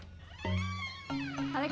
terima kasih pak